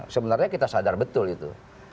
sebenarnya kita sadar betul itu